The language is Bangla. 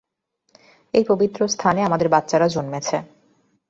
এই পবিত্র স্থানে আমাদের বাচ্চারা জন্মেছে।